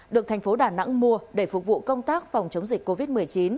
được thành phố đà nẵng mua để phục vụ công tác phòng chống dịch covid một mươi chín